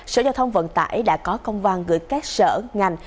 sở giao thông vận tải đã có công văn gửi các sở ngành